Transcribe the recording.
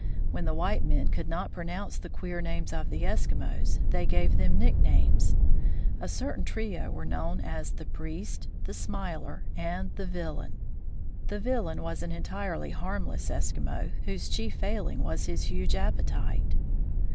When the white men could not pronounce the queer names of the Eskimos, they gave them nicknames. A certain trio were known as the Priest, the Smiler, and the Villain. The Villain was an entirely harmless Eskimo, whose chief failing was his huge appetite.